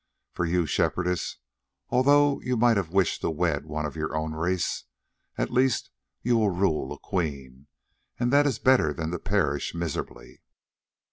For you, Shepherdess, although you might have wished to wed one of your own race, at the least you will rule a queen, and that is better than to perish miserably."